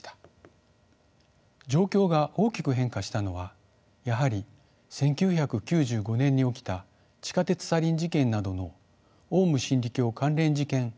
状況が大きく変化したのはやはり１９９５年に起きた地下鉄サリン事件などのオウム真理教関連事件以降だと思います。